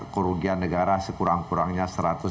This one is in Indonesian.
kerugian negara sekurang kurangnya